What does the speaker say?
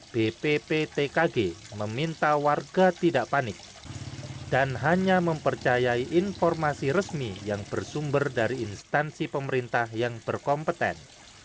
bpptkg meminta warga tidak panik dan hanya mempercayai informasi resmi yang bersumber dari instansi pemerintah yang berkompeten